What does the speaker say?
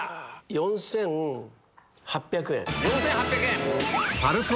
４８００円。